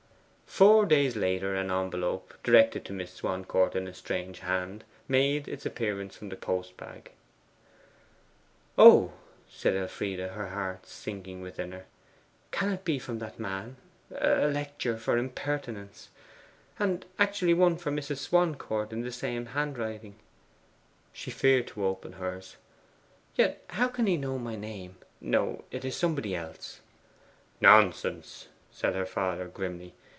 Four days later an envelope, directed to Miss Swancourt in a strange hand, made its appearance from the post bag. 'Oh,' said Elfride, her heart sinking within her. 'Can it be from that man a lecture for impertinence? And actually one for Mrs. Swancourt in the same hand writing!' She feared to open hers. 'Yet how can he know my name? No; it is somebody else.' 'Nonsense!' said her father grimly.